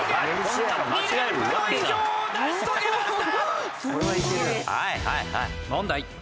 ２連覇の偉業を成し遂げました！